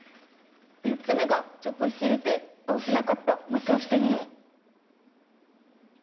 で４つ目がちょっと押してみてあ押せなかったもう一回押してみよう。